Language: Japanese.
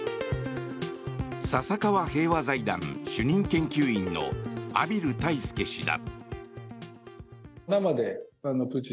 笹川平和財団主任研究員の畔蒜泰助氏だ。